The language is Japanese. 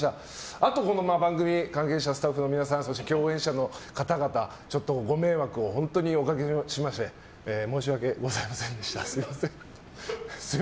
あと、番組関係者スタッフの皆さん共演者の皆様にご迷惑を本当におかけいたしまして申し訳ございませんでした。